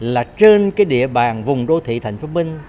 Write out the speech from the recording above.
là trên cái địa bàn vùng đô thị thành phố hồ chí minh